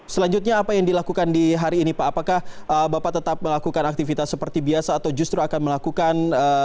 selanjutnya apa yang dilakukan di hari ini pak apakah bapak tetap melakukan aktivitas seperti biasa atau justru akan melakukan